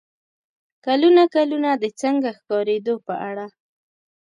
کلونه کلونه د "څنګه ښکارېدو" په اړه